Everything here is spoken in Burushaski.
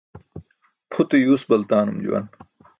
Pʰute yuus baltaanun juwan.